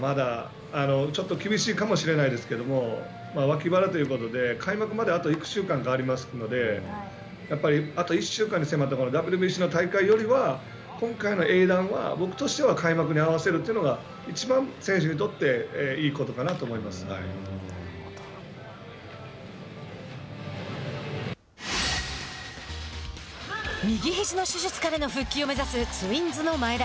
まあまだ、ちょっと厳しいかもしれないですけれども、脇腹ということで、開幕までまだありますのでやっぱり、あと１週間に迫ったＷＢＣの大会よりは、今回の英断は僕としては開幕に合わせるというのがいちばん選手にとって右ひじの手術からの復帰を目指すツインズの前田。